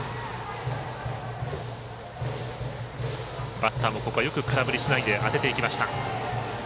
バッターもよく空振りしないで当てていきました。